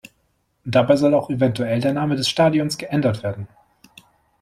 Dabei soll auch eventuell der Name des Stadions geändert werden.